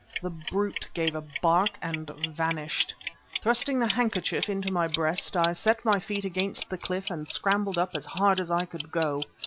The brute gave a bark and vanished. Thrusting the handkerchief into my breast, I set my feet against the cliff and scrambled up as hard as I could go.